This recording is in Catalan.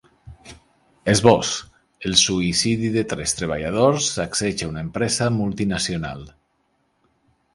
Esbós: El suïcidi de tres treballadors sacseja una empresa multinacional.